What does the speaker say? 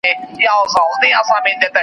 ویل خدایه څه ښکرونه لرم ښکلي .